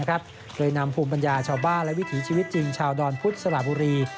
โดยนำภูมิปัญญาชาวบ้านและวิถีชีวิตจริงชาวดอนพุทธสระบุรี